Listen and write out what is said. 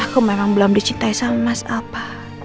aku memang belum dicintai sama mas apa